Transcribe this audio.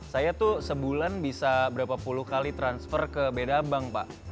saya tuh sebulan bisa berapa puluh kali transfer ke beda bank pak